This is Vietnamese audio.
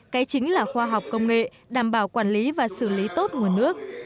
cái chính là khoa học công nghệ đảm bảo quản lý và xử lý tốt nguồn nước